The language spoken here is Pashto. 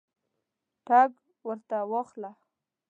ټګ ورته واخله.